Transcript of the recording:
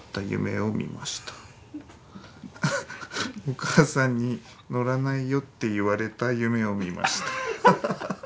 お母さんに乗らないよって言われた夢を見ました」。